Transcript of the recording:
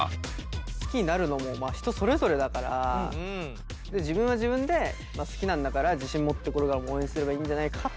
好きになるのも人それぞれだから自分は自分で好きなんだから自信持ってこれからも応援すればいいんじゃないかと。